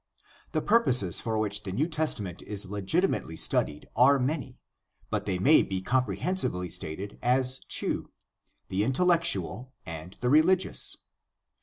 — The purposes for which the New Testament is legitimately studied are many, but they may be compre hensively stated as two — the intellectual and the religious.